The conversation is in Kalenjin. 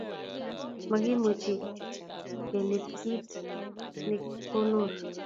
Ma kimuchi kilitit kiit ne kunuur.